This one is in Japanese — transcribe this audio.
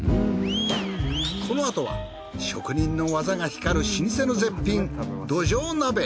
このあとは職人の技が光る老舗の絶品どじょう鍋！